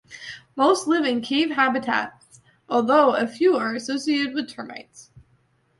Most live in cave habitats, although a few are associated with termites.